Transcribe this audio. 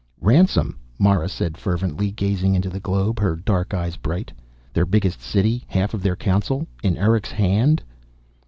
"Ransom," Mara said fervently, gazing into the globe, her dark eyes bright. "Their biggest City, half of their Council in Erick's hand!"